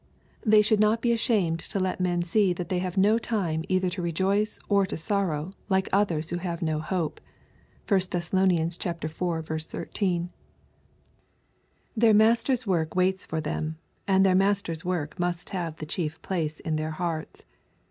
They should not be ashamed to let men see that they have no time either to rejoice or to sorrow like others who have no hope. (1 Thess. iv. 13.) Their Master's work waits for them, and their Master's work must have the chief place in their hearts.